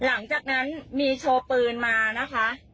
หลังจากนั้นมีโชว์ปืนมานะคะ